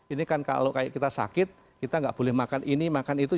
ini kan kalau kita sakit kita nggak boleh makan ini makan itu